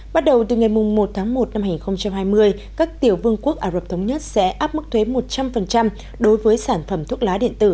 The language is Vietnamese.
bắt đầu từ ngày một tháng một năm hai nghìn hai mươi các tiểu vương quốc ả rập thống nhất sẽ áp mức thuế một trăm linh đối với sản phẩm thuốc lá điện tử